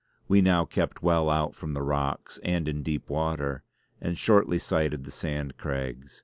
We kept now well out from the rocks and in deep water, and shortly sighted the Sand Craigs.